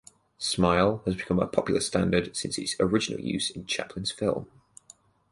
"Smile" has become a popular standard since its original use in Chaplin's film.